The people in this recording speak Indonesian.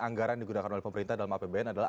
anggaran digunakan oleh pemerintah dalam apbn adalah